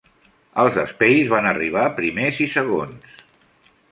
Els Espaces van arribar primers i segons.